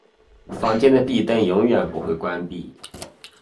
房间的壁灯永远不会关闭。